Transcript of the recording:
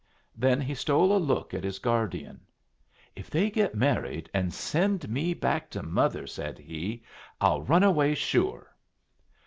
Then he stole a look at his guardian. "If they get married and send me back to mother," said he, "I'll run away sure."